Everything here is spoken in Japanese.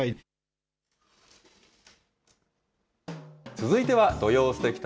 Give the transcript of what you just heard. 続いては土曜すてき旅。